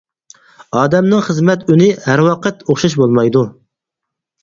ئادەمنىڭ خىزمەت ئۈنى ھەر ۋاقىت ئوخشاش بولمايدۇ.